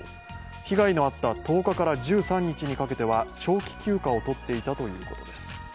被害のあった１０日から１３日にかけては長期休暇をとっていたということです。